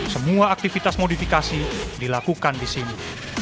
semua aktivitas modifikasi dilakukan di sini